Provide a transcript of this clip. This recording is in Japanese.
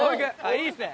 いいっすね。